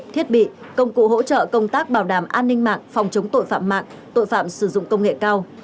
thiết bị công cụ hỗ trợ công tác bảo đảm an ninh mạng phòng chống tội phạm mạng tội phạm sử dụng công nghệ cao